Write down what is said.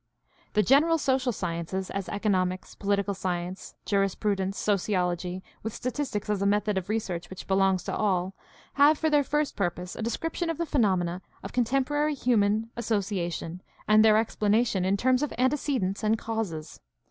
The general social sciences, as economics, political science, jurisprudence, sociology, with statistics as a method of research which belongs to all, have for their first purpose a description of the phenomena of contemporary human association and their explanation in terms of antecedents and causes.